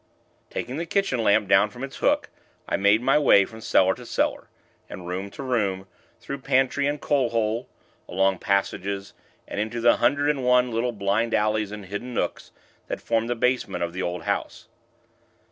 Taking the kitchen lamp down from its hook, I made my way from cellar to cellar, and room to room; through pantry and coal hole along passages, and into the hundred and one little blind alleys and hidden nooks that form the basement of the old house.